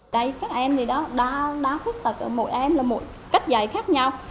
đây các em thì đó đá khuất tật ở mỗi em là mỗi cách dạy khác nhau